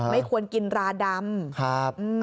ไม่ควรกินราดำ